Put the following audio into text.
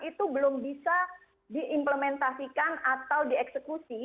itu belum bisa diimplementasikan atau dieksekusi